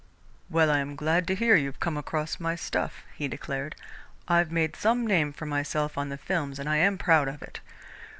"Well, I am glad to hear you've come across my stuff," he declared. "I've made some name for myself on the films and I am proud of it.